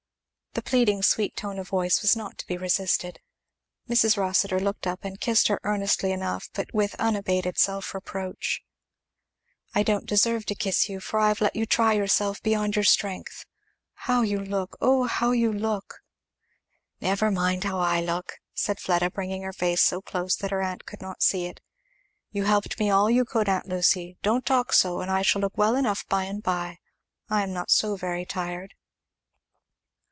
The pleading sweet tone of voice was not to be resisted. Mrs. Rossitur looked up and kissed her earnestly enough but with unabated self reproach. "I don't deserve to kiss you, for I have let you try yourself beyond your strength. How you look! Oh how you look! " "Never mind how I look," said Fleda bringing her face so close that her aunt could not see it. "You helped me all you could, aunt Lucy don't talk so and I shall look well enough by and by. I am not so very tired."